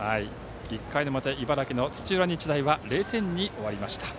１回の表茨城の土浦日大は０点に終わりました。